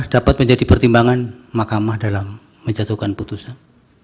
dapat menjadi pertimbangan mahkamah dalam menjatuhkan putusan